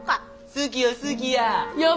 好きや好きや！